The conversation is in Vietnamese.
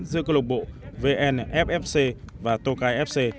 giữa câu lộc bộ vnffc và tokai fc